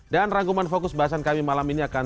dan rangkuman fokus bahasan kami malam ini akan